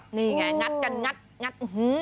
นี่ไงงัดกันงัด